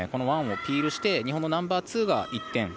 ワンをピールして日本のナンバーワンが１点。